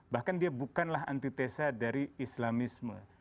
bahkan dia bukanlah antitesa dari islamisme